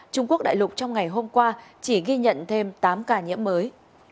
trung quốc đại lục trong ngày hôm qua chỉ ghi nhận thêm tám ca nhiễm mới